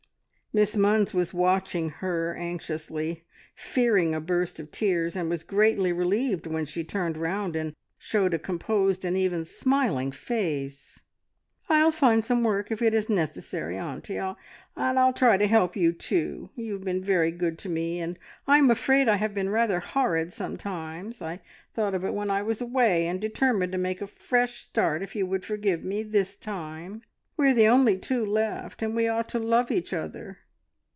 Miss Munns was watching her anxiously, fearing a burst of tears, and was greatly relieved when she turned round and showed a composed and even smiling face. "I'll find some work if it is necessary, auntie; and I'll try to help you too. You have been very good to me, and I'm afraid I have been rather horrid sometimes. I thought of it when I was away, and determined to make a fresh start if you would forgive me this time. We are the only two left, and we ought to love each other."